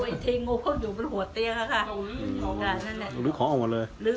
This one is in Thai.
กลับมาที่สุดท้ายมีกลับมาที่สุดท้าย